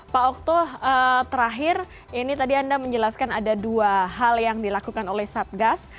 pak okto terakhir ini tadi anda menjelaskan ada dua hal yang dilakukan oleh satgas